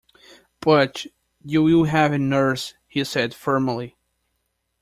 "But you will have a nurse," he said firmly.